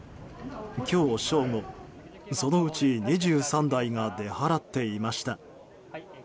今日正午、そのうち２３台が出払っていました。